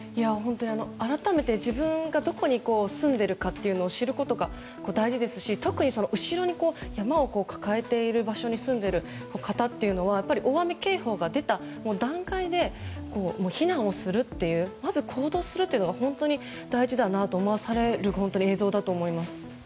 改めて、自分がどこに住んでいるかというのを知ることが大事ですし特に後ろに山を抱えている場所に住んでいるというのは大雨警報が出た段階で避難をするというまず行動するというのが本当に大事だなと思わされる映像だと思います。